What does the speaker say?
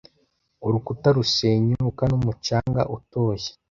Urukuta rusenyuka, n'umucanga utoshye,